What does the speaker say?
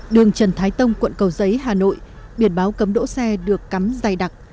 đường trần thái tông quận cầu giấy hà nội biển báo cấm đỗ xe được cắm dày đặc